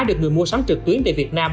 được người mua sắm trực tuyến tại việt nam